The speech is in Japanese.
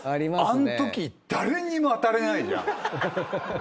あんとき誰にも当たれないじゃん。